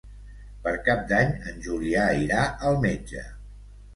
Per Cap d'Any en Julià irà al metge.